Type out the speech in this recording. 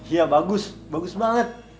iya bagus bagus banget